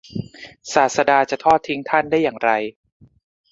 ศาสดาจะทอดทิ้งท่านได้อย่างไร